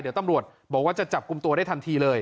เดี๋ยวตำรวจบอกว่าจะจับกลุ่มตัวได้ทันทีเลย